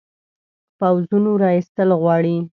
پوځونو را ایستل غواړي.